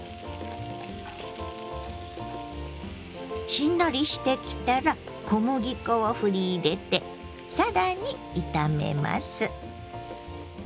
しんなりしてきたら小麦粉をふり入れて更に炒めます。